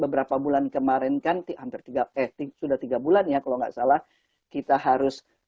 beberapa bulan kemarin kan sudah tiga bulan ya kalau nggak salah kita harus